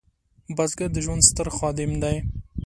بزګر د ژوند ستر خادم دی